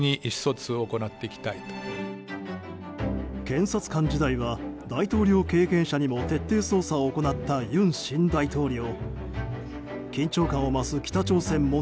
検察官時代は大統領経験者にも徹底捜査を行った尹新大統領。